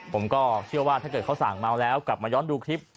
ผมก็เชื่อว่าถ้าเกิดเขาสั่งเมาแล้วกลับมาย้อนดูคลิป